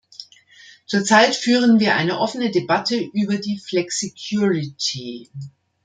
Zurzeit führen wir eine offene Debatte über die "Flexicurity".